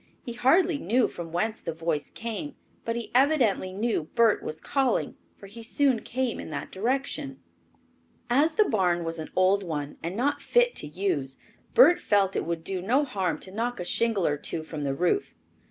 He hardly knew from whence the voice came, but he evidently knew Bert was calling, for he soon came in that direction. As the barn was an old one and not fit to use, Bert felt it would do no harm to knock a shingle or two from the roof.